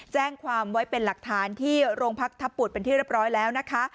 แจ้งความไว้เป็นหลักฐานที่โรงพักทับบุตรเป็นที่เรียบร้อยแล้วนะคะ